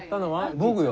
僕よ。